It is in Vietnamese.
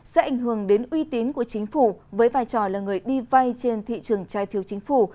sẽ ảnh hưởng đến uy tín của chính phủ với vai trò là người đi vay trên thị trường trái phiếu chính phủ